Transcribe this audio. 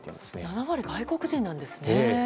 ７割が外国人なんですね。